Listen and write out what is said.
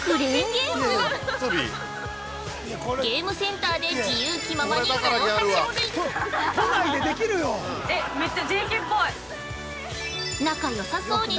ゲームセンターで自由気ままに大はしゃぎ！